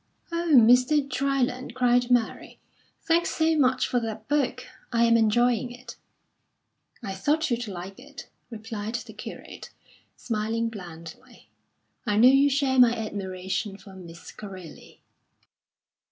"Oh, Mr. Dryland," cried Mary, "thanks so much for that book! I am enjoying it!" "I thought you'd like it," replied the curate, smiling blandly. "I know you share my admiration for Miss Corelli."